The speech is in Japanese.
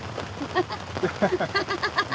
ハハハハ！